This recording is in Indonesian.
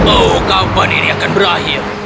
oh kapan ini akan berakhir